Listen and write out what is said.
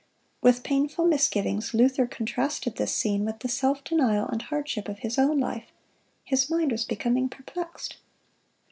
With painful misgivings Luther contrasted this scene with the self denial and hardship of his own life. His mind was becoming perplexed.